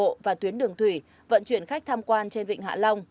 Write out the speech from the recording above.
đường bộ và tuyến đường thủy vận chuyển khách tham quan trên vịnh hạ long